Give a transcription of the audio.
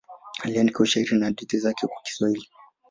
Aliandika ushairi na hadithi zake kwa Kiswahili.